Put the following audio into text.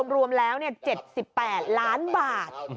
รวมแล้ว๗๘ล้านบาท